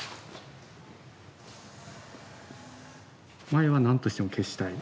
まいは何としても消したい。